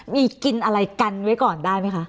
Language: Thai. มีกินอะไรกันไว้ก่อนได้ไหมคะ